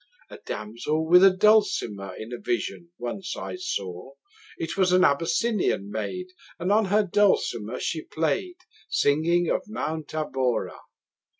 A damsel with a dulcimer In a vision once I saw: It was an Abyssinian maid, And on her dulcimer she play'd, 40 Singing of Mount Abora.